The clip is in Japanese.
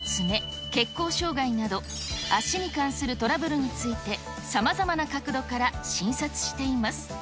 足の痛みやむくみをはじめ、皮膚や爪、血行障がいなど、足に関するトラブルについて、さまざまな角度から診察しています。